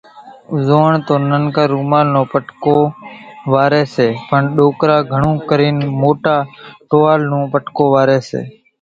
زوئاڻ تو ننڪا رومال نو پٽڪو واريَ سي، پڻ ڏوڪرا گھڻون ڪرين موٽا ٽووال نو پٽڪو واريَ سي۔